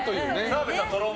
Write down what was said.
澤部さん